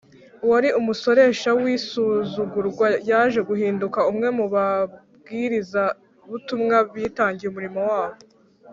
uwari umusoresha w’insuzugurwa yaje guhinduka umwe mu babwirizabutumwa bitangiye umurimo wabo